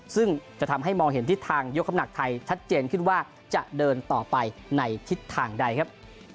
ซึ่งจะทำให้มองเห็นทิศทางยกคำหนักไทยชัดเจนขึ้นว่าจะเดินต่อไปในทิศทางใดครับ